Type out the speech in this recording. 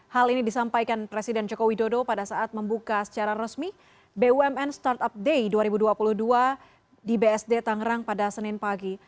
hal ini disampaikan presiden joko widodo pada saat membuka secara resmi bumn startup day dua ribu dua puluh dua di bsd tangerang pada senin pagi